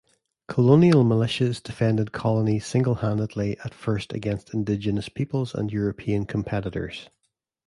Colonial Militias defended colonies single-handedly at first against Indigenous peoples and European competitors.